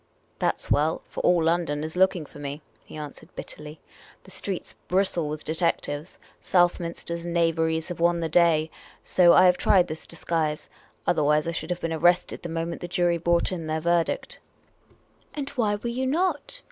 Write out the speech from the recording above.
" That 's well ; for all London is looking for me," he an swered, bitterly. " The .streets bristle with detectives. Southminster's knaveries have won the day. So I have tried this disguise. Otherwise, I should have been arrested the moment the jury brought in their verdict." 298 Miss Caylcy's Adventures "And why were you not?"